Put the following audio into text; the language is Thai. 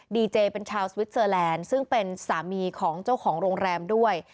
ดีเจเป็นชาวสวิสเตอร์แลนด์ซึ่งเป็นสามีของเจ้าของโรงแรมด้วย